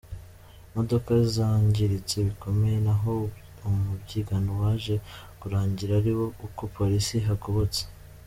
Imodoka zangiritse bikomeye naho umubyigano waje kurangira ari uko polisi ihagobotse.